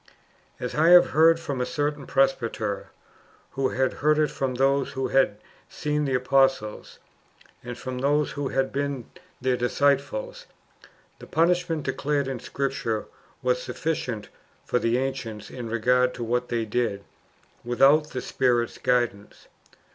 As I have heard from a certain presbyter,^ who had heard it from those who had seen the apostles, and from those who had been their disciples, the punishment [declared] in Scripture was sufficient for the ancients in regard to what they did without the Spirit's guidance.